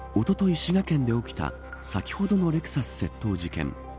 滋賀県で起きた先ほどのレクサス窃盗事件。